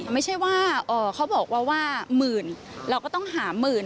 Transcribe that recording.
ไม่ใช่ว่าเขาบอกว่าหมื่นเราก็ต้องหาหมื่น